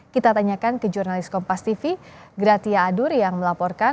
kita tanyakan ke jurnalis kompas tv gratia adur yang melaporkan